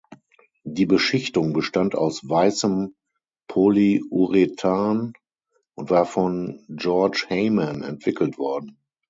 Die Beschichtung bestand aus weißem Polyurethan und war von George Hayman entwickelt worden.